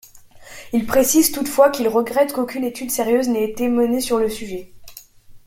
Il précise toutefois qu'il regrette qu'aucune étude sérieuse n'ait été menée sur le sujet.